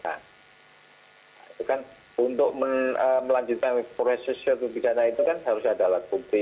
itu kan untuk melanjutkan proses suatu pidana itu kan harus ada alat bukti